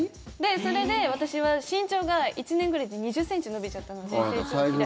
それで、私は身長が１年ぐらいで２０ｃｍ伸びちゃったので成長期で。